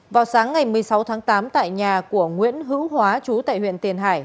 vào sáng ngày một mươi sáu tháng tám tại nhà của nguyễn hữu hóa chú tại huyện tiền hải